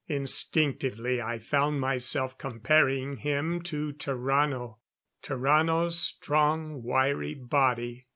Instinctively I found myself comparing him to Tarrano. Tarrano's strong, wiry body.